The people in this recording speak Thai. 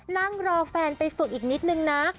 นั่งรอแฟนไปฝึกอีกนิดนึงนะ